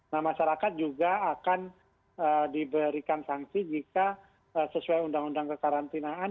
nah masyarakat juga akan diberikan sanksi jika sesuai undang undang kekarantinaan